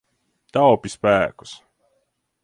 Taupi spēkus.